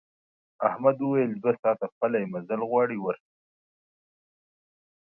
احمد وویل دوه ساعته پلی مزل غواړي ورشه.